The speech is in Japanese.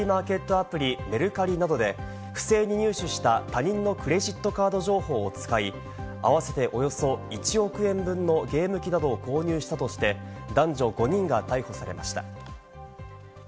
アプリ・メルカリなどで不正に入手した他人のクレジットカード情報を使い、合わせておよそ１億円分のゲーム機などを購入したとして、男女５人が逮捕されました。